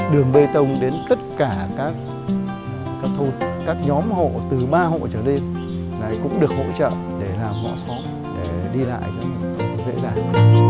đường bê tông đến tất cả các thôn các nhóm hộ từ ba hộ trở lên này cũng được hỗ trợ để làm họa sổ để đi lại cho dễ dàng